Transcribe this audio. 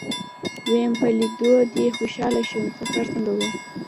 ويم په ليدو دې خوشاله شوم سفر څنګه و.